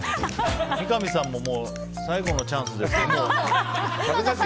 三上さんももう最後のチャンスですって。